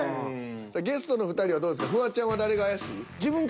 ゲストの２人はどうですか？